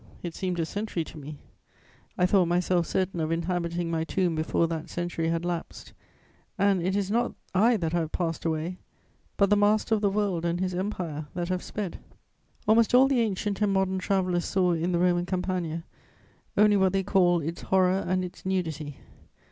It seemed a century to me; I thought myself certain of inhabiting my tomb before that century had lapsed. And it is not I that have passed away, but the master of the world and his empire that have sped! Almost all the ancient and modern travellers saw in the Roman Campagna only what they call "its horror and its nudity."